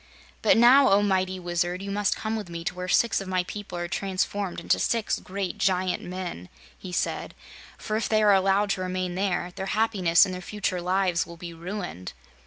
"But now, O mighty Wizard, you must come with me to where six of my people are transformed into six great giant men," he said, "for if they are allowed to remain there, their happiness and their future lives will be ruined."